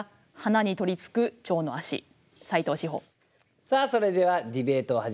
さあそれではディベートを始めていきましょう。